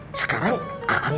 tidak ada catatannya